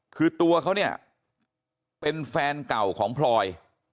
คือตัวเขาเป็นแฟนเก่าของปลอย